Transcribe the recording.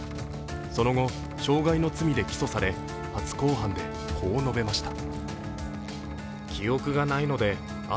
その後、傷害の罪で起訴され初公判で、こう述べました。